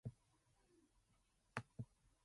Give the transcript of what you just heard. The prison has since been turned into a hotel.